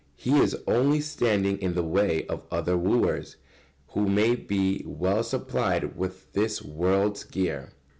] He is only standing in the way of other wooers who may be well supplied with this world's gear.